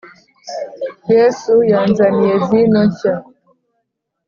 yesu yanzaniye vino nshya